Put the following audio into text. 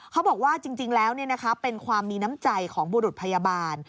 เขาบอกว่าจริงแล้วเป็นความมีน้ำใจของบุรุษพยาบาล